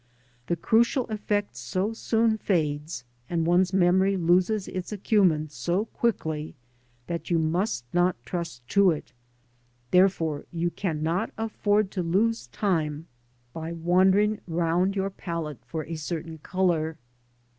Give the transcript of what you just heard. The crucial effect so soon fades, and one's memory loses its acumen so quickly that you must not trust to it; there fore you cannot afford to lose time by wandering round your palette SKETCHING FROM NATURE. 21 for a certain colour.